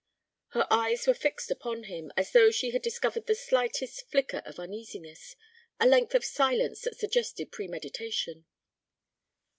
Her eyes were fixed upon him, as though she had discovered the slightest flicker of uneasiness, a length of silence that suggested premeditation.